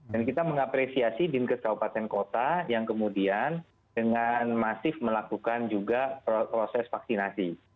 dan kita mengapresiasi di inkas kabupaten kota yang kemudian dengan masif melakukan juga proses vaksinasi